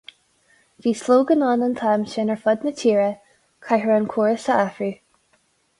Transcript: Bhí slogan ann an t-am sin ar fud na tíre, caithfear an córas a athrú.